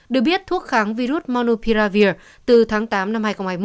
được biết thuốc kháng virus monopiravir từ tháng tám năm hai nghìn hai mươi một